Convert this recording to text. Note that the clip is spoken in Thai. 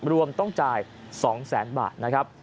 รวมต้องจ่าย๒แสนบาทนะครับ